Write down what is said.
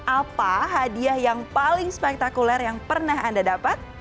apa hadiah yang paling spektakuler yang pernah anda dapat